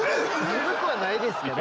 ずるくはないですけど。